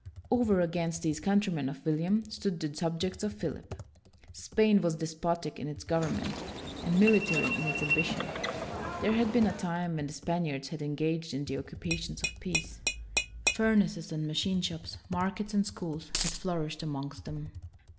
Over against these countrymen of William stood the subjects of Philip. Spain was despotic in its government and WILLIAM THE SILENT 179 military in its ambition. There had been a time when the Spaniards had engaged in the occupations of peace. Furnaces and machine shops, markets and schools, had flourished amongst them.